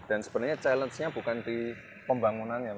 dan sebenarnya challenge nya bukan di pembangunan ya mas